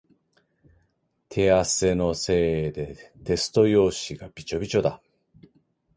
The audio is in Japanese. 手汗のせいでテスト用紙がびしょびしょだ。